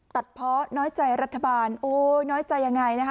เพาะน้อยใจรัฐบาลโอ๊ยน้อยใจยังไงนะคะ